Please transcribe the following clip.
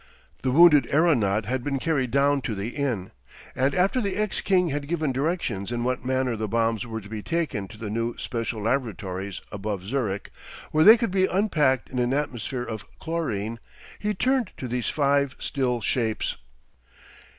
The wounded aeronaut had been carried down to the inn. And after the ex king had given directions in what manner the bombs were to be taken to the new special laboratories above Zurich, where they could be unpacked in an atmosphere of chlorine, he turned to these five still shapes.